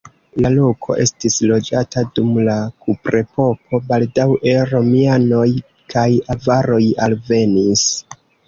La loko estis loĝata dum la kuprepoko, baldaŭe romianoj kaj avaroj alvenis.